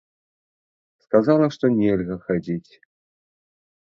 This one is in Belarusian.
Сказала, што нельга хадзіць.